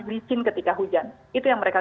licin ketika hujan itu yang mereka